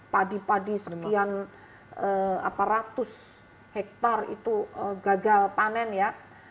padi padi sekian ratus hektare itu gagal panen ya